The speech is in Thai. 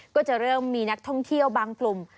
ก็จะเริ่มมีนักท่องเที่ยวบางกลุ่ม